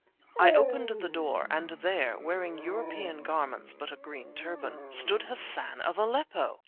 I opened the door; and there, wearing European garments but a green turban ... stood Hassan of Aleppo!